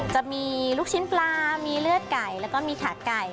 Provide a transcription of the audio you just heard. จะมีลูกชิ้นปลามีเลือดไก่แล้วก็มีขาไก่